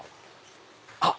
あっ！